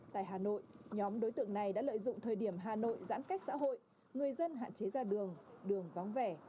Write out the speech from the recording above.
tại hà nội nhóm đối tượng này đã lợi dụng thời điểm hà nội giãn cách xã hội người dân hạn chế ra đường đường vắng vẻ